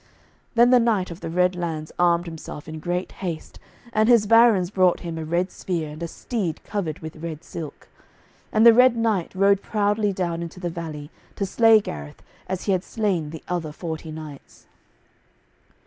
Then the Knight of the Red Lands armed himself in great haste, and his barons brought him a red spear, and a steed covered with red silk. And the Red Knight rode proudly down into the valley, to slay Gareth, as he had slain the other forty knights.